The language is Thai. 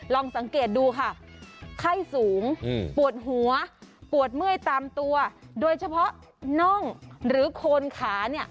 ลองสังเกตดูค่ะไข้สูงปวดหัวปวดเมื่อยตามตัวโดยเฉพาะน่องหรือโคนขาเนี่ย